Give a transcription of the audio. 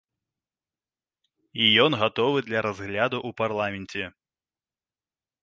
І ён гатовы для разгляду ў парламенце.